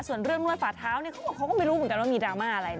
ส่วนเรื่องลวดฝาเท้าเขาบอกเขาก็ไม่รู้เหมือนกันว่ามีดราม่าอะไร